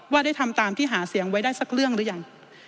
ได้ทำตามที่หาเสียงไว้ได้สักเรื่องหรือยัง